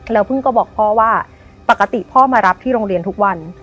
แล้วเพิ่งก็บอกพ่อว่าปกติพ่อมารับที่โรงเรียนทุกวัน